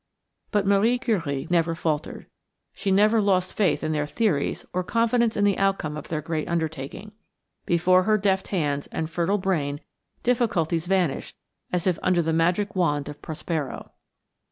But Marie Curie never faltered. She never lost faith in their theories or confidence in the outcome of their great undertaking. Before her deft hands and fertile brain difficulties vanished as if under the magic wand of Prospero.